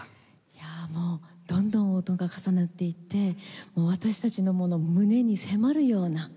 いやあもうどんどん音が重なっていってもう私たちの胸に迫るような。